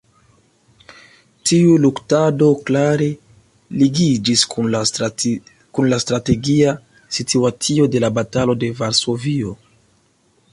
Tiu luktado klare ligiĝis kun la strategia situacio de la Batalo de Varsovio.